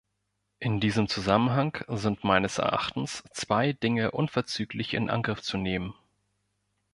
In diesem Zusammenhang sind meines Erachtens zwei Dinge unverzüglich in Angriff zu nehmen.